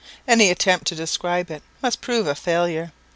Any attempt to describe it must prove a failure.